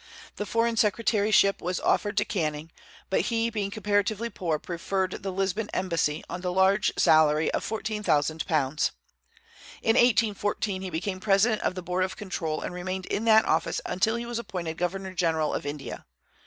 The foreign secretaryship was offered to Canning; but he, being comparatively poor, preferred the Lisbon embassy, on the large salary of £14,000. In 1814 he became president of the Board of Control, and remained in that office until he was appointed governor general of India.